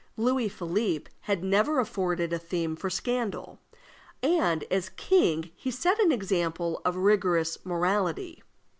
Louis Philippe had never afforded a theme for scandal, and as king he set an example of rigorous morality.